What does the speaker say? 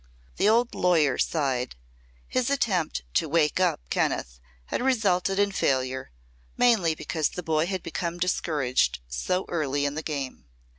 The old lawyer sighed. His attempt to "wake up" Kenneth had resulted in failure, mainly because the boy had become discouraged so early in the game.